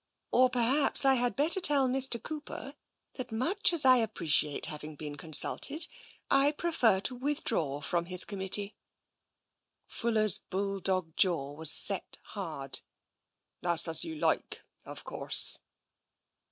Or perhaps I had better tell Mr. Cooper that, much as I appreciate having been consulted, I prefer to withdraw from his committee." Fuller's bulldog jaw was set hard. " That's as you like, of course."